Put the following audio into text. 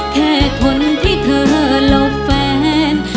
แค่คนที่เธอหลบแฟน